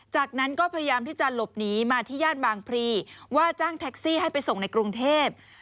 จากนั้นก็พยายามที่จะหลบหนีมาที่ย่านบางพรีว่าจ้างแท็กซี่ให้ไปส่งในกรุงเทพ